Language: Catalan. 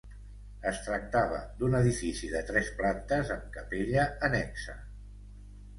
Es tractava d'un edifici de tres plantes amb capella annexa.